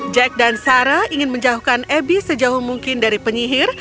jack dan sarah ingin menjauhkan ebi sejauh mungkin dari penyihir